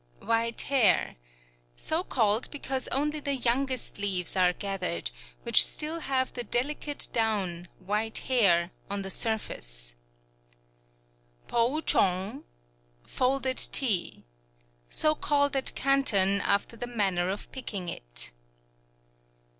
White Hair So called because only the youngest leaves are gathered, which still have the delicate down white hair on the surface. Pou chong ... Folded Tea So called at Canton after the manner of picking it.